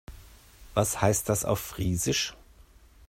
Was heißt das auf Friesisch?